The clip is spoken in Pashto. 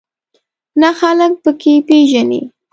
نه خلک په کې پېژنې.